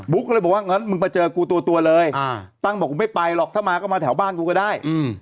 ก็เลยบอกว่างั้นมึงมาเจอกูตัวเลยตั้งบอกกูไม่ไปหรอกถ้ามาก็มาแถวบ้านกูก็ได้